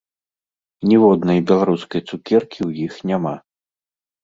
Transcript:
Ніводнай беларускай цукеркі ў іх няма!